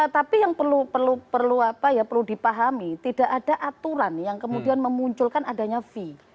tapi yang perlu dipahami tidak ada aturan yang kemudian memunculkan adanya fee